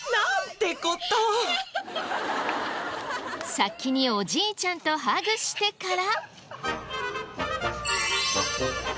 先におじいちゃんとハグしてから。